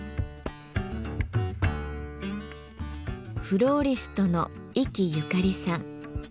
フローリストの壱岐ゆかりさん。